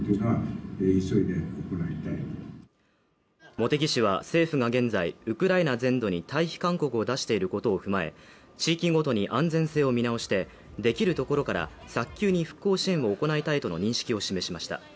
茂木氏は政府が現在、ウクライナ全土に退避勧告を出していることを踏まえ、地域ごとに安全性を見直して、できるところから、早急に復興支援を行いたいとの認識を示しました。